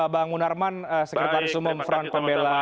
bangunan sekretaris umum front pembela